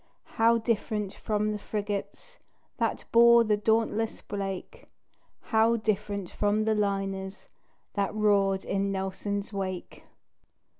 How different from the frigates That bore the dauntless Blake; How different from the liners That roared in Nelson's wake!